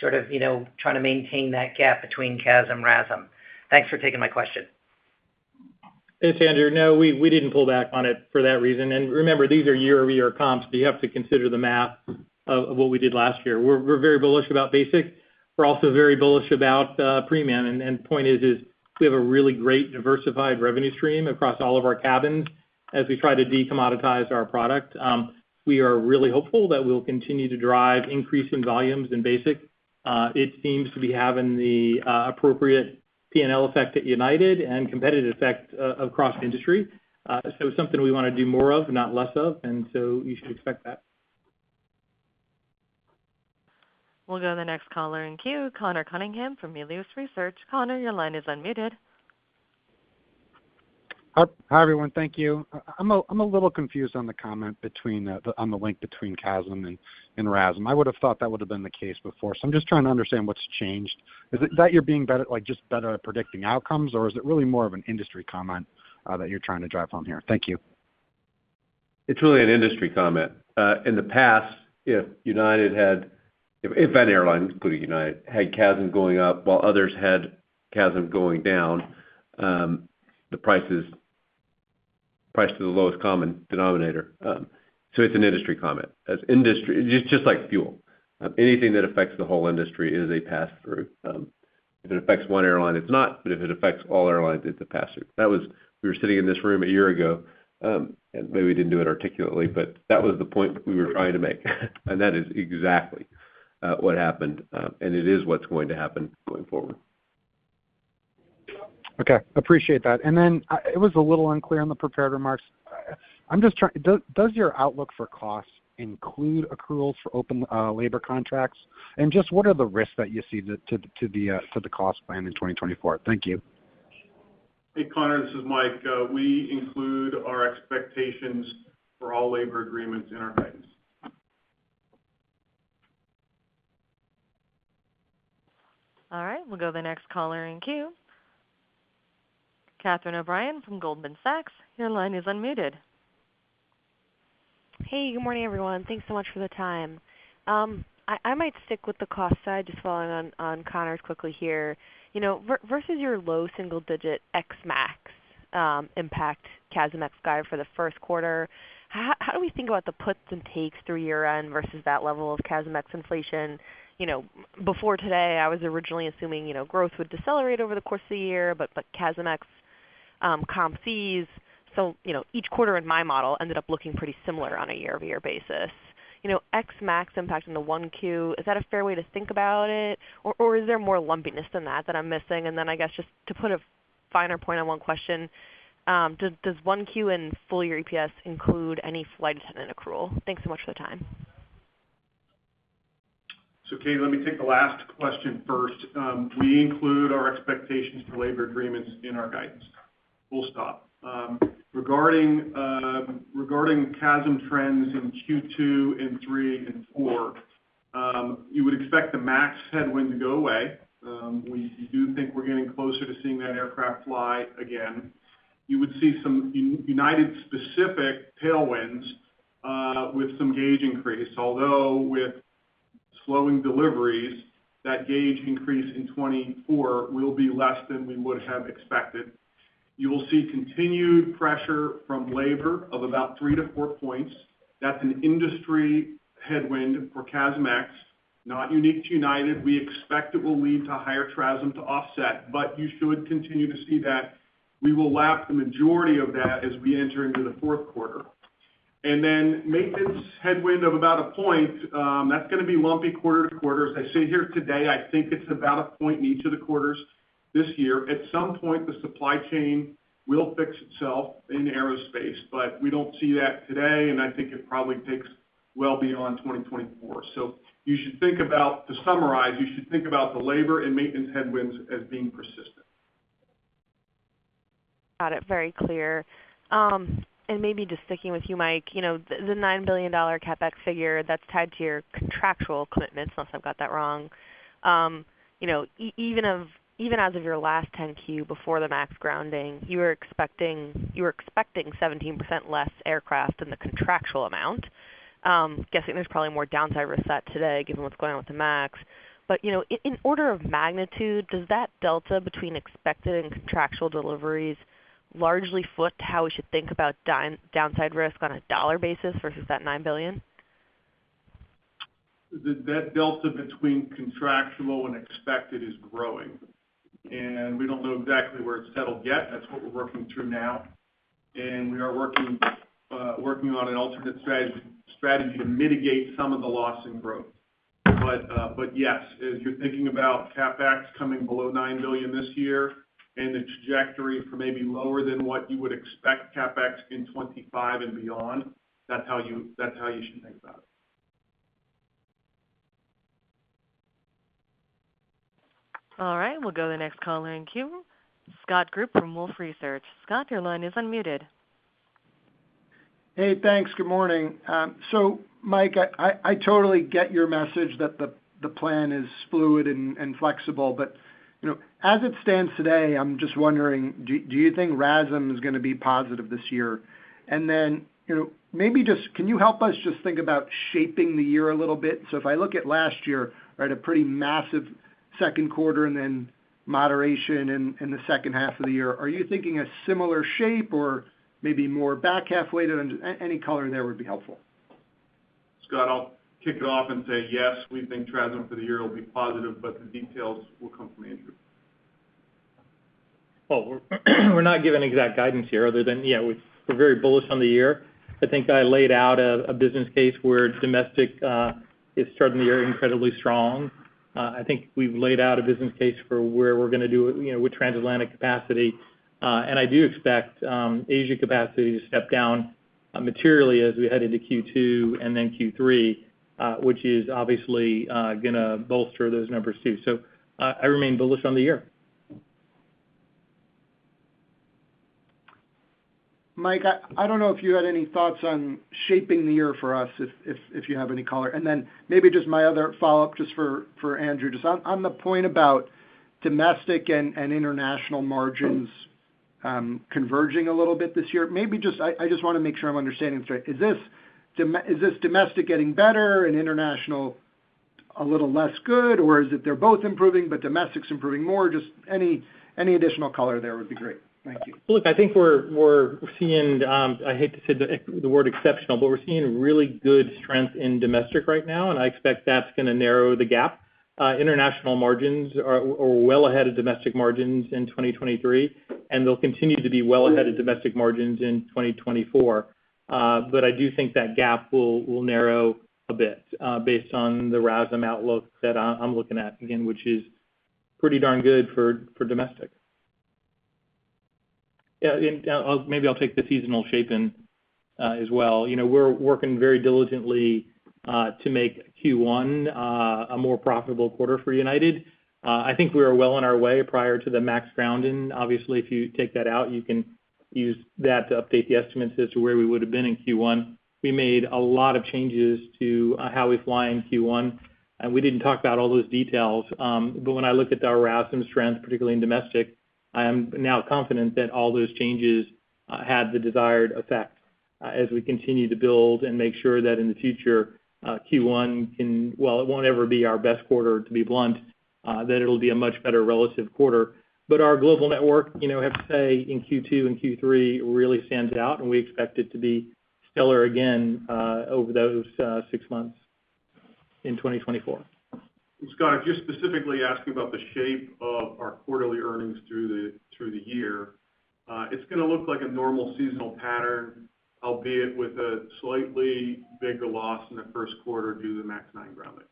sort of, you know, trying to maintain that gap between CASM, RASM. Thanks for taking my question. Hey, its Andrew. No, we didn't pull back on it for that reason. And remember, these are year-over-year comps, so you have to consider the math of what we did last year. We're very bullish about basic. We're also very bullish about premium. And the point is we have a really great diversified revenue stream across all of our cabins as we try to de-commoditize our product. We are really hopeful that we'll continue to drive increase in volumes in basic. It seems to be having the appropriate PNL effect at United and competitive effect across the industry. So something we want to do more of, not less of, and so you should expect that. We'll go to the next caller in queue, Conor Cunningham from Melius Research. Conor, your line is unmuted. Hi, hi, everyone. Thank you. I'm a little confused on the comment between the, on the link between CASM and RASM. I would have thought that would have been the case before, so I'm just trying to understand what's changed. Is it that you're being better, like, just better at predicting outcomes, or is it really more of an industry comment that you're trying to drive home here? Thank you. It's really an industry comment. In the past, if United had, if any airline, including United, had CASM going up while others had CASM going down, the prices price to the lowest common denominator. So it's an industry comment. As industry—just like fuel. Anything that affects the whole industry is a pass-through. If it affects one airline, it's not, but if it affects all airlines, it's a pass-through. That was—we were sitting in this room a year ago, and maybe we didn't do it articulately, but that was the point we were trying to make. And that is exactly what happened, and it is what's going to happen going forward. Okay, appreciate that. And then, it was a little unclear on the prepared remarks. I'm just trying, does your outlook for costs include accruals for open labor contracts? And just what are the risks that you see to the cost plan in 2024? Thank you. Hey, Conor, this is Mike. We include our expectations for all labor agreements in our guidance. All right, we'll go to the next caller in queue. Catherine O'Brien from Goldman Sachs, your line is unmuted. Hey, good morning, everyone. Thanks so much for the time. I might stick with the cost side, just following on Conor quickly here. You know, versus your low single digit ex-MAX impact CASM-ex guide for the first quarter, how do we think about the puts and takes through year end versus that level of CASM-ex inflation? You know, before today, I was originally assuming, you know, growth would decelerate over the course of the year, but CASM-ex comp fees. So, you know, each quarter in my model ended up looking pretty similar on a year-over-year basis. You know, ex-MAX impact in the 1Q, is that a fair way to think about it, or is there more lumpiness than that that I'm missing? Then, I guess, just to put a finer point on one question, does 1Q and full year EPS include any flight attendant accrual? Thanks so much for the time. So, Katie, let me take the last question first. We include our expectations for labor agreements in our guidance, full stop. Regarding CASM trends in Q2 and three and four, you would expect the MAX headwind to go away. We do think we're getting closer to seeing that aircraft fly again. You would see some United specific tailwinds, with some gauge increase. Although with slowing deliveries, that gauge increase in 2024 will be less than we would have expected. You will see continued pressure from labor of about 3-4 points. That's an industry headwind for CASM-ex, not unique to United. We expect it will lead to higher TRASM to offset, but you should continue to see that. We will lap the majority of that as we enter into the fourth quarter. And then maintenance headwind of about a point, that's gonna be lumpy quarter to quarter. As I sit here today, I think it's about a point in each of the quarters this year. At some point, the supply chain will fix itself in aerospace, but we don't see that today, and I think it probably takes well beyond 2024. So you should think about, to summarize, you should think about the labor and maintenance headwinds as being persistent. Got it. Very clear. And maybe just sticking with you, Mike, you know, the $9 billion CapEx figure that's tied to your contractual commitments, unless I've got that wrong. You know, even as of your last 10-Q before the MAX grounding, you were expecting 17% less aircraft than the contractual amount. Guessing there's probably more downside risk than today given what's going on with the MAX. But, you know, in order of magnitude, does that delta between expected and contractual deliveries largely fit how we should think about downside risk on a dollar basis versus that $9 billion? That delta between contractual and expected is growing, and we don't know exactly where it's settled yet. That's what we're working through now. And we are working, working on an alternate strategy, strategy to mitigate some of the loss in growth. But, but yes, as you're thinking about CapEx coming below $9 billion this year and the trajectory for maybe lower than what you would expect CapEx in 2025 and beyond, that's how you, that's how you should think about it. All right, we'll go to the next caller in queue. Scott Group from Wolfe Research. Scott, your line is unmuted. Hey, thanks. Good morning. So Mike, I totally get your message that the plan is fluid and flexible. But, you know, as it stands today, I'm just wondering, do you think RASM is gonna be positive this year? And then, you know, maybe just, can you help us just think about shaping the year a little bit? So if I look at last year, right, a pretty massive second quarter and then moderation in the second half of the year, are you thinking a similar shape or maybe more back half weighted? Any color in there would be helpful. Scott, I'll kick it off and say, yes, we think TRASM for the year will be positive, but the details will come from Andrew. Well, we're not giving exact guidance here other than, yeah, we're very bullish on the year. I think I laid out a business case where domestic is starting the year incredibly strong. I think we've laid out a business case for where we're gonna do, you know, with transatlantic capacity. And I do expect Asia capacity to step down materially as we head into Q2 and then Q3, which is obviously gonna bolster those numbers too. So, I remain bullish on the year. Mike, I don't know if you had any thoughts on shaping the year for us, if you have any color. And then maybe just my other follow-up, just for Andrew, just on the point about domestic and international margins converging a little bit this year. Maybe just I just wanna make sure I'm understanding this right. Is this domestic getting better and international a little less good, or is it they're both improving, but domestic's improving more? Just any additional color there would be great. Thank you. Look, I think we're seeing, I hate to say the word exceptional, but we're seeing really good strength in domestic right now, and I expect that's gonna narrow the gap. International margins are well ahead of domestic margins in 2023, and they'll continue to be well ahead of domestic margins in 2024. But I do think that gap will narrow a bit, based on the RASM outlook that I'm looking at, again, which is pretty darn good for domestic. Yeah, and maybe I'll take the seasonal shape in as well. You know, we're working very diligently to make Q1 a more profitable quarter for United. I think we are well on our way prior to the MAX grounding. Obviously, if you take that out, you can use that to update the estimates as to where we would have been in Q1. We made a lot of changes to how we fly in Q1, and we didn't talk about all those details, but when I look at our RASM strengths, particularly in domestic, I am now confident that all those changes had the desired effect. As we continue to build and make sure that in the future Q1 can, well, it won't ever be our best quarter, to be blunt, that it'll be a much better relative quarter. But our global network, you know, I have to say, in Q2 and Q3, really stands out, and we expect it to be stellar again over those six months in 2024. Scott, if you're specifically asking about the shape of our quarterly earnings through the year, it's gonna look like a normal seasonal pattern, albeit with a slightly bigger loss in the first quarter due to the MAX 9 grounding.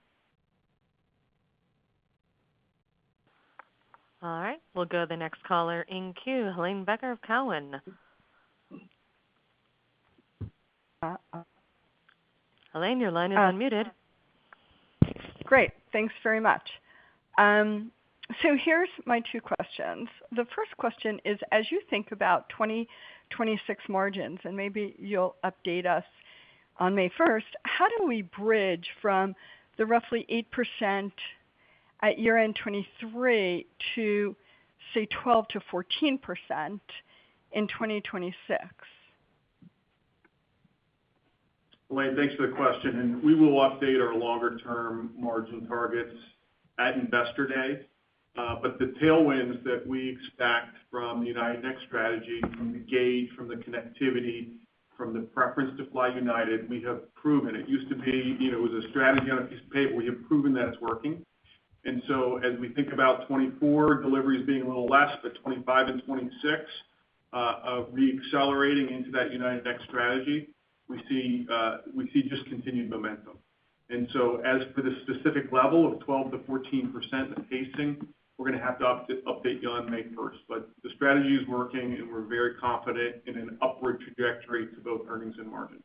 All right, we'll go to the next caller in queue, Helane Becker of Cowen. Helane, your line is unmuted. Great. Thanks very much. So here's my two questions. The first question is, as you think about 2026 margins, and maybe you'll update us on May 1st, how do we bridge from the roughly 8% at year-end 2023 to, say, 12%-14% in 2026? Helane, thanks for the question, and we will update our longer-term margin targets at Investor Day. But the tailwinds that we expect from the United Next strategy, from the gauge, from the connectivity, from the preference to fly United, we have proven. It used to be, you know, it was a strategy on a piece of paper. We have proven that it's working. And so as we think about 2024 deliveries being a little less, but 2025 and 2026, of reaccelerating into that United Next strategy, we see, we see just continued momentum. And so as for the specific level of 12%-14% in pacing, we're gonna have to update you on May 1st. But the strategy is working, and we're very confident in an upward trajectory to both earnings and margins.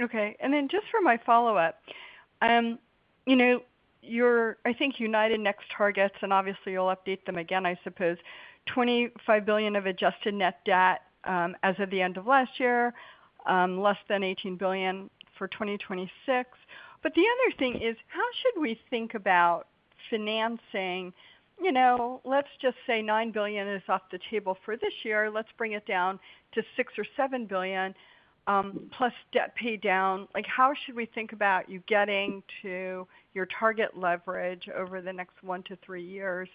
Okay. And then just for my follow-up, you know, your, I think, United Next targets, and obviously, you'll update them again, I suppose, $25 billion of adjusted net debt, as of the end of last year, less than $18 billion for 2026. But the other thing is, how should we think about financing? You know, let's just say $9 billion is off the table for this year. Let's bring it down to $6 billion or $7 billion, plus debt pay down. Like, how should we think about you getting to your target leverage over the next 1-3 years,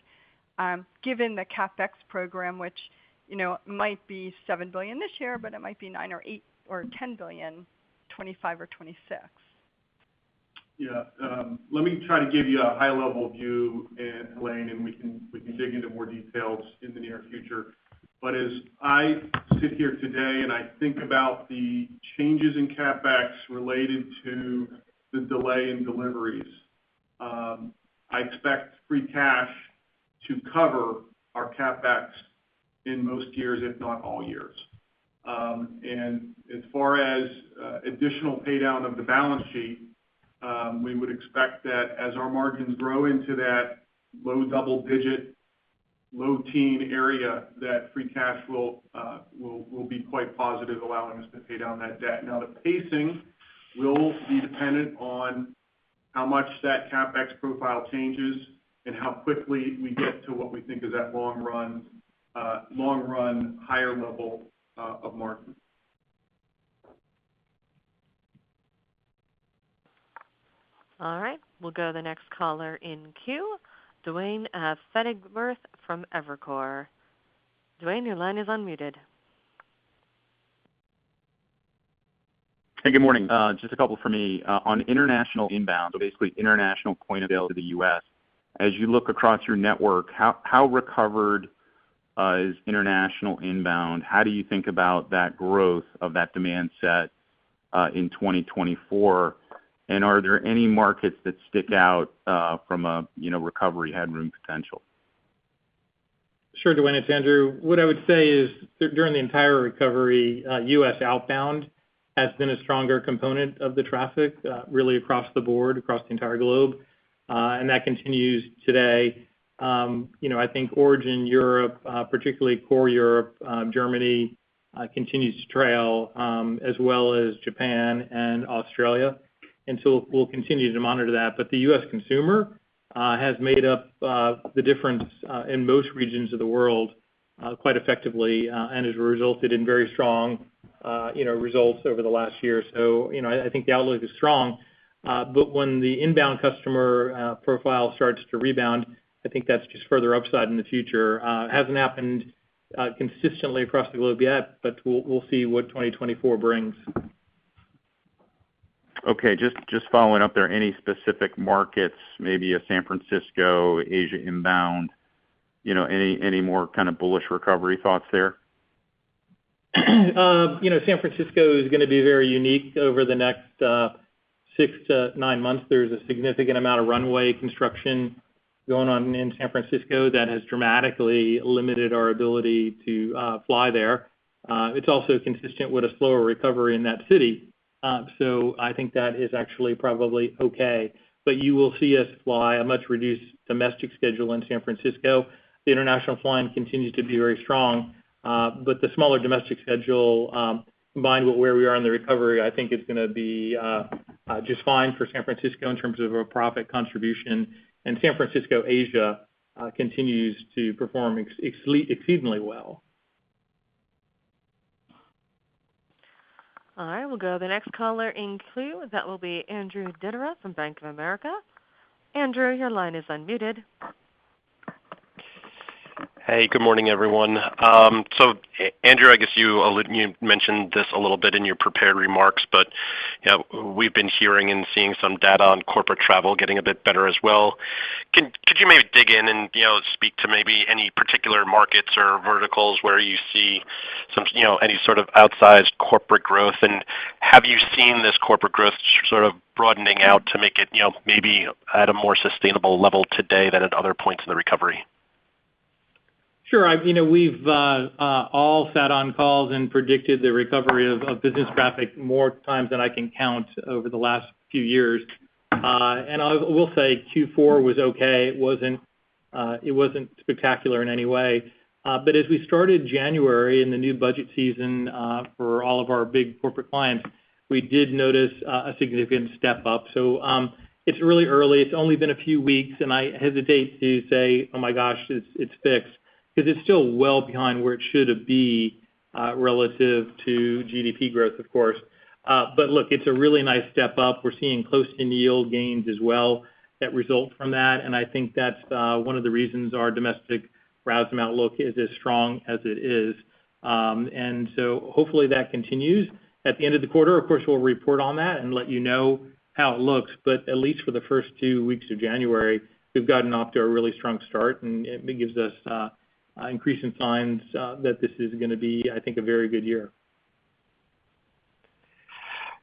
given the CapEx program, which, you know, might be $7 billion this year, but it might be $9 billion, $8 billion, or $10 billion, 2025 or 2026? Yeah, let me try to give you a high-level view, Helane, and we can, we can dig into more details in the near future. But as I sit here today and I think about the changes in CapEx related to the delay in deliveries, I expect free cash to cover our CapEx in most years, if not all years. And as far as additional paydown of the balance sheet, we would expect that as our margins grow into that low double digit, low teen area, that free cash will, uh, will be quite positive, allowing us to pay down that debt. Now, the pacing will be dependent on how much that CapEx profile changes and how quickly we get to what we think is that long run, long-run higher level of margin. All right. We'll go to the next caller in queue, Duane Pfennigwerth from Evercore. Duane, your line is unmuted. Hey, good morning. Just a couple for me. On international inbound, so basically international point of sale to the U.S., as you look across your network, how recovered is international inbound? How do you think about that growth of that demand set in 2024? And are there any markets that stick out, from a, you know, recovery headroom potential? Sure, Duane, it's Andrew. What I would say is, during the entire recovery, U.S. outbound has been a stronger component of the traffic, really across the board, across the entire globe, and that continues today. You know, I think origin Europe, particularly core Europe, Germany, continues to trail, as well as Japan and Australia. So we'll continue to monitor that. But the U.S. consumer has made up the difference in most regions of the world quite effectively and has resulted in very strong, you know, results over the last year. So, you know, I think the outlook is strong, but when the inbound customer profile starts to rebound, I think that's just further upside in the future. It hasn't happened consistently across the globe yet, but we'll see what 2024 brings. Okay. Just following up there, any specific markets, maybe San Francisco, Asia inbound, you know, any more kind of bullish recovery thoughts there? You know, San Francisco is gonna be very unique over the next 6-9 months. There's a significant amount of runway construction going on in San Francisco that has dramatically limited our ability to fly there. It's also consistent with a slower recovery in that city. So I think that is actually probably okay. But you will see us fly a much-reduced domestic schedule in San Francisco. The international flying continues to be very strong, but the smaller domestic schedule, combined with where we are in the recovery, I think is gonna be just fine for San Francisco in terms of a profit contribution. And San Francisco, Asia, continues to perform exceedingly well. All right, we'll go to the next caller in queue. That will be Andrew Didora from Bank of America. Andrew, your line is unmuted. Hey, good morning, everyone. So Andrew, I guess you mentioned this a little bit in your prepared remarks, but, you know, we've been hearing and seeing some data on corporate travel getting a bit better as well. Could you maybe dig in and, you know, speak to maybe any particular markets or verticals where you see some, you know, any sort of outsized corporate growth? And have you seen this corporate growth sort of broadening out to make it, you know, maybe at a more sustainable level today than at other points in the recovery? Sure. You know, we've all sat on calls and predicted the recovery of business traffic more times than I can count over the last few years. And I will say Q4 was okay. It wasn't spectacular in any way. But as we started January in the new budget season for all of our big corporate clients, we did notice a significant step up. So, it's really early. It's only been a few weeks, and I hesitate to say, "Oh, my gosh, it's fixed," 'cause it's still well behind where it should be relative to GDP growth, of course. But look, it's a really nice step up. We're seeing close-in yield gains as well, that result from that, and I think that's one of the reasons our domestic RASM look is as strong as it is. So hopefully, that continues. At the end of the quarter, of course, we'll report on that and let you know how it looks. But at least for the first two weeks of January, we've gotten off to a really strong start, and it gives us increasing signs that this is gonna be, I think, a very good year.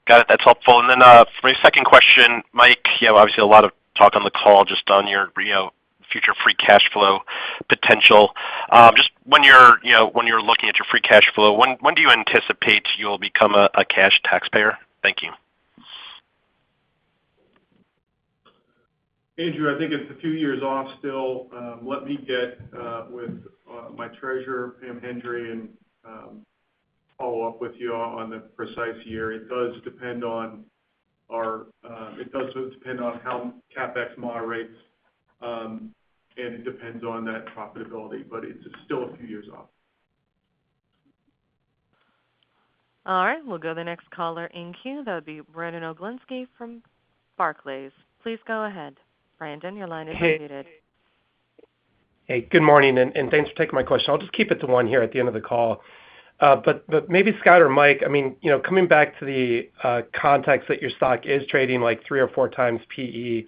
Got it. That's helpful. And then, my second question, Mike, you know, obviously a lot of talk on the call just on your, you know, future free cash flow potential. Just when you're, you know, when you're looking at your free cash flow, when do you anticipate you'll become a cash taxpayer? Thank you. Andrew, I think it's a few years off still. Let me get with my treasurer, Pam Hendry, and follow up with you on the precise year. It does depend on how CapEx moderates, and it depends on that profitability, but it's still a few years off. All right, we'll go to the next caller in queue. That would be Brandon Oglenski from Barclays. Please go ahead. Brandon, your line is unmuted. Hey. Hey, good morning, and thanks for taking my question. I'll just keep it to one here at the end of the call. But maybe Scott or Mike, I mean, you know, coming back to the context that your stock is trading like 3 or 4x PE,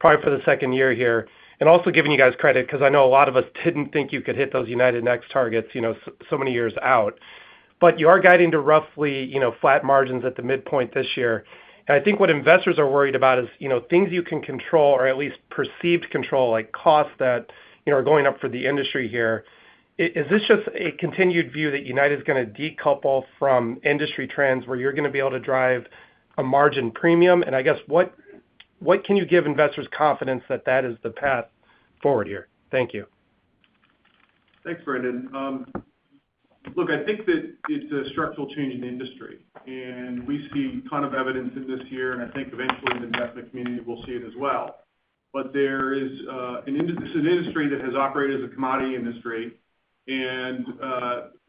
probably for the second year here, and also giving you guys credit, because I know a lot of us didn't think you could hit those United Next targets, you know, so many years out. But you are guiding to roughly, you know, flat margins at the midpoint this year. And I think what investors are worried about is, you know, things you can control or at least perceived control, like cost that, you know, are going up for the industry here. Is this just a continued view that United is gonna decouple from industry trends, where you're gonna be able to drive a margin premium? And I guess, what can you give investors confidence that that is the path forward here? Thank you. Thanks, Brandon. Look, I think that it's a structural change in the industry, and we see ton of evidence in this year, and I think eventually, the investment community will see it as well. But there is this is an industry that has operated as a commodity industry, and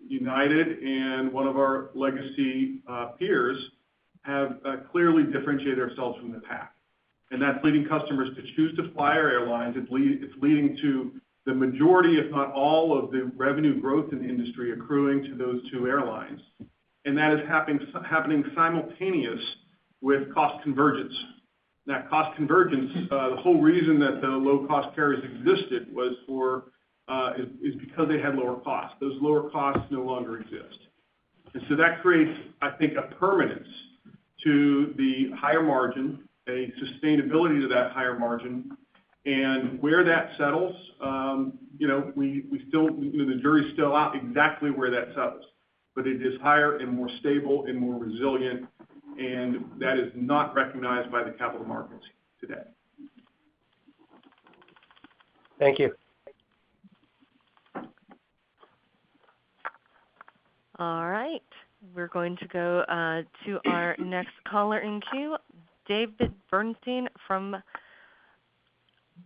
United and one of our legacy peers have clearly differentiated ourselves from the pack. And that's leading customers to choose to fly our airlines. It's leading to the majority, if not all, of the revenue growth in the industry accruing to those two airlines. And that is happening simultaneous with cost convergence. That cost convergence, the whole reason that the low-cost carriers existed is because they had lower costs. Those lower costs no longer exist. And so that creates, I think, a permanence to the higher margin, a sustainability to that higher margin, and where that settles, you know we still, the jury is still out exactly where that settles. But it is higher and more stable and more resilient, and that is not recognized by the capital markets today. Thank you.... All right. We're going to go to our next caller in queue, David Bernstein from,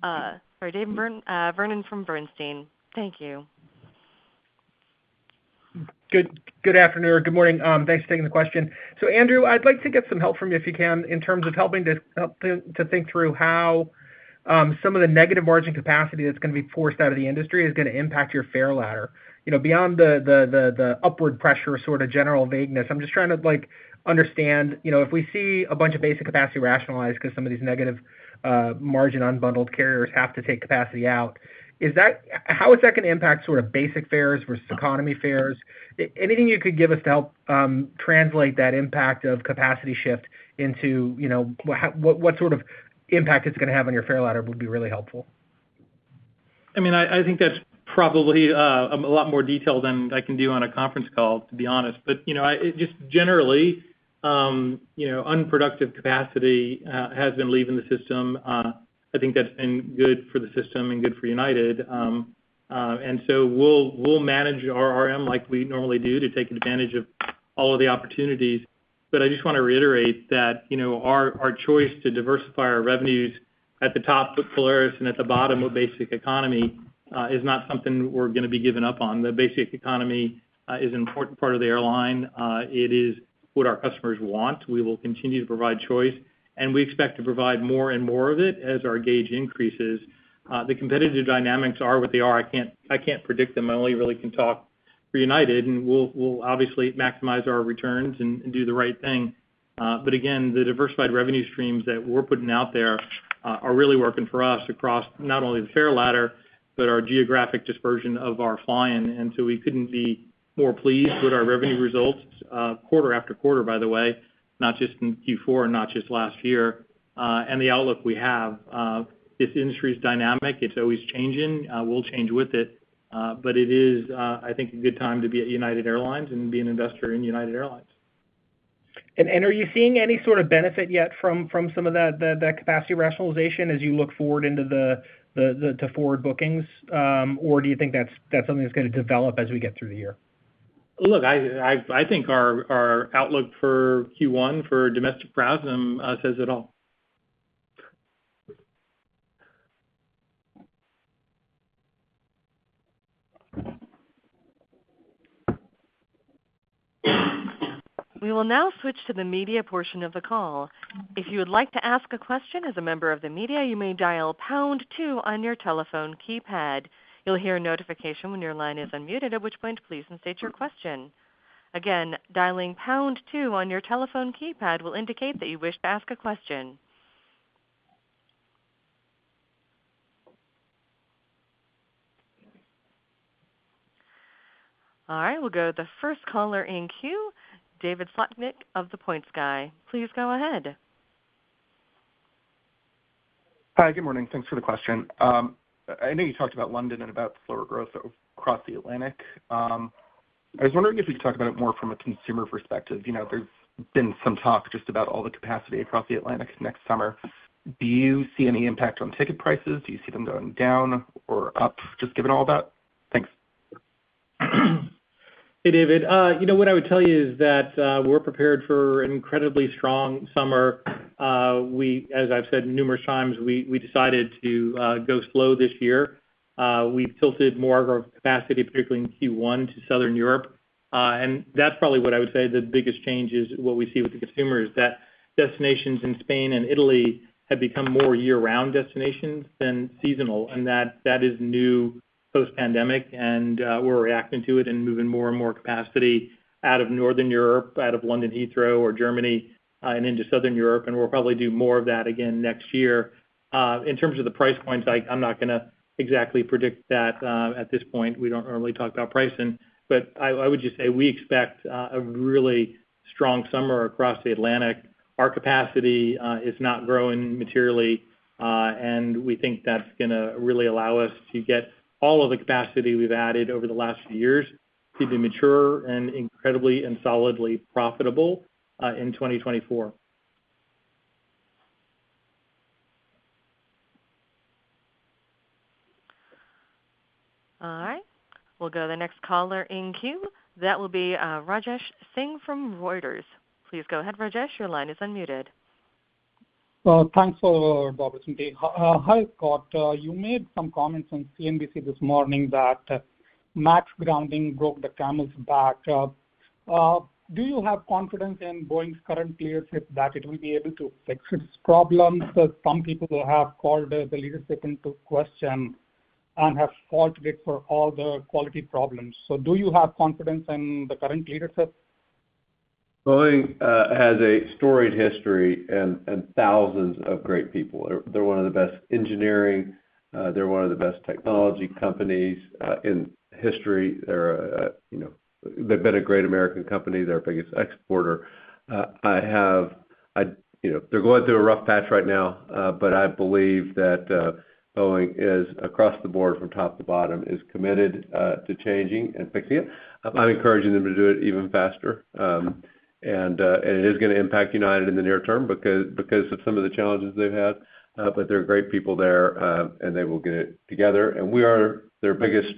sorry, David Vernon from Bernstein. Thank you. Good afternoon, or good morning. Thanks for taking the question. So Andrew, I'd like to get some help from you, if you can, in terms of helping to think through how some of the negative margin capacity that's gonna be forced out of the industry is gonna impact your fare ladder. You know, beyond the upward pressure sort of general vagueness, I'm just trying to, like, understand, you know, if we see a bunch of basic capacity rationalized because some of these negative margin unbundled carriers have to take capacity out, is that how is that gonna impact sort of basic fares versus economy fares? Anything you could give us to help translate that impact of capacity shift into, you know, how, what sort of impact it's gonna have on your fare ladder would be really helpful. I mean, I think that's probably a lot more detail than I can do on a conference call, to be honest. But, you know, just generally, you know, unproductive capacity has been leaving the system. I think that's been good for the system and good for United. And so we'll manage our RM like we normally do to take advantage of all of the opportunities. But I just want to reiterate that, you know, our choice to diversify our revenues at the top with Polaris and at the bottom with Basic Economy is not something we're gonna be giving up on. The Basic Economy is an important part of the airline. It is what our customers want. We will continue to provide choice, and we expect to provide more and more of it as our gauge increases. The competitive dynamics are what they are. I can't predict them. I only really can talk for United, and we'll obviously maximize our returns and do the right thing. But again, the diversified revenue streams that we're putting out there are really working for us across not only the fare ladder, but our geographic dispersion of our flying. And so we couldn't be more pleased with our revenue results, quarter after quarter, by the way, not just in Q4 and not just last year, and the outlook we have. This industry is dynamic. It's always changing. We'll change with it, but it is, I think, a good time to be at United Airlines and be an investor in United Airlines. Are you seeing any sort of benefit yet from some of that capacity rationalization as you look forward into the forward bookings? Or do you think that's something that's gonna develop as we get through the year? Look, I think our outlook for Q1, for domestic PRASM, says it all. We will now switch to the media portion of the call. If you would like to ask a question as a member of the media, you may dial pound two on your telephone keypad. You'll hear a notification when your line is unmuted, at which point, please state your question. Again, dialing pound two on your telephone keypad will indicate that you wish to ask a question. All right, we'll go to the first caller in queue, David Slotnick of The Points Guy. Please go ahead. Hi, good morning. Thanks for the question. I know you talked about London and about slower growth across the Atlantic. I was wondering if you could talk about it more from a consumer perspective. You know, there's been some talk just about all the capacity across the Atlantic next summer. Do you see any impact on ticket prices? Do you see them going down or up, just given all that? Thanks. Hey, David. You know, what I would tell you is that, we're prepared for an incredibly strong summer. As I've said numerous times, we decided to go slow this year. We've tilted more of our capacity, particularly in Q1, to Southern Europe. And that's probably what I would say the biggest change is what we see with the consumer, is that destinations in Spain and Italy have become more year-round destinations than seasonal, and that is new post-pandemic, and we're reacting to it and moving more and more capacity out of Northern Europe, out of London Heathrow, or Germany, and into Southern Europe, and we'll probably do more of that again next year. In terms of the price points, I'm not gonna exactly predict that, at this point. We don't normally talk about pricing, but I, I would just say we expect a really strong summer across the Atlantic. Our capacity is not growing materially, and we think that's gonna really allow us to get all of the capacity we've added over the last few years to be mature and incredibly and solidly profitable in 2024. All right. We'll go to the next caller in queue. That will be, Rajesh Singh from Reuters. Please go ahead, Rajesh. Your line is unmuted. Thanks operator. Good day. Hi, Scott. You made some comments on CNBC this morning that MAX grounding broke the camel's back. Do you have confidence in Boeing's current leadership that it will be able to fix its problems? That some people have called the leadership into question and have faulted it for all the quality problems. So do you have confidence in the current leadership? Boeing has a storied history and thousands of great people. They're one of the best engineering, they're one of the best technology companies in history. They're, you know, they've been a great American company. They're our biggest exporter. I have, you know, they're going through a rough patch right now, but I believe that Boeing is, across the board, from top to bottom, is committed to changing and fixing it. I'm encouraging them to do it even faster. And it is gonna impact United in the near term because of some of the challenges they've had, but there are great people there, and they will get it together. And we are their biggest,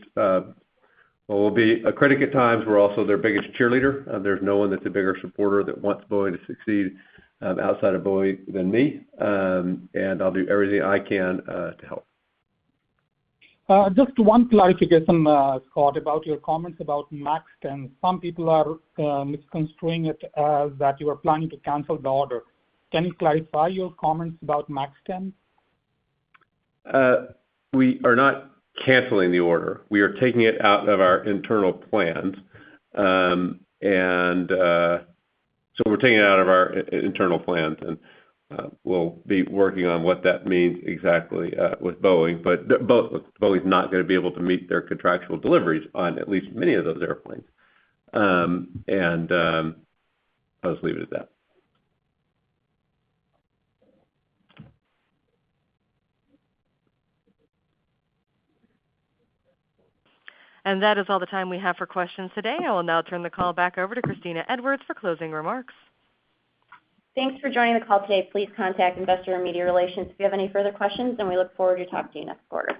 we'll be a critic at times, we're also their biggest cheerleader. There's no one that's a bigger supporter that wants Boeing to succeed, outside of Boeing than me, and I'll do everything I can to help. Just one clarification, Scott, about your comments about MAX 10. Some people are misconstruing it, that you are planning to cancel the order. Can you clarify your comments about MAX 10? We are not canceling the order. We are taking it out of our internal plans, and we'll be working on what that means exactly with Boeing. But Boeing's not gonna be able to meet their contractual deliveries on at least many of those airplanes. I'll just leave it at that. That is all the time we have for questions today. I will now turn the call back over to Kristina Edwards for closing remarks. Thanks for joining the call today. Please contact Investor and Media Relations if you have any further questions, and we look forward to talking to you next quarter.